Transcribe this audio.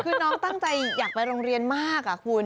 คือน้องตั้งใจอยากไปโรงเรียนมากคุณ